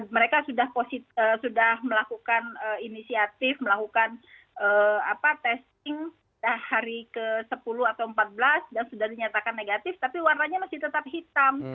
mereka sudah melakukan inisiatif melakukan testing hari ke sepuluh atau empat belas dan sudah dinyatakan negatif tapi warnanya masih tetap hitam